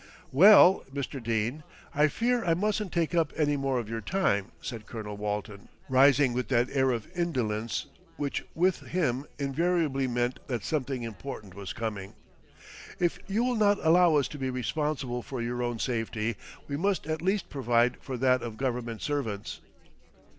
"Well, Mr. Dene, I fear I mustn't take up any more of your time," said Colonel Walton, rising, with that air of indolence which with him invariably meant that something important was coming. "If you will not allow us to be responsible for your own safety, we must at least provide for that of Government servants."